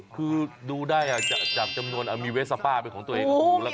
คือดูได้จากจำนวนมีเวสป้าเป็นของตัวเอง